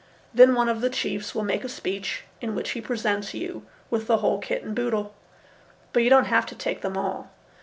Then one of the chiefs will make a speech in which he presents you with the whole kit and boodle. But you don't have to take them all.